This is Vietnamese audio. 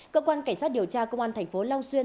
cơ quan cảnh sát điều tra công an thành phố long xuyên